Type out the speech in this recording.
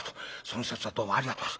「その節はどうもありがとう。